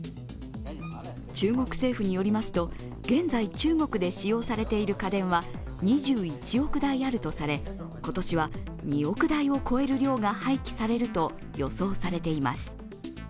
中国政府によりますと、現在中国で使用されている家電は２１億台あるとされ、今年は２億台が超える量が廃棄されると予想されています。